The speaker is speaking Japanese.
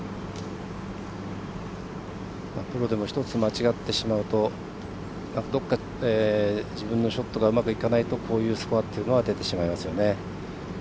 プロでも１つ間違ってしまうとどこか自分のショットがうまくいかないとこういうスコアというのは出てしまいますね。